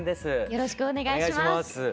よろしくお願いします。